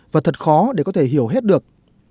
và thật khó để có thể hiểu hết được